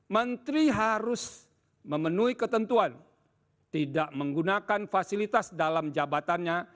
menteri harus memenuhi ketentuan tidak menggunakan fasilitas dalam jabatannya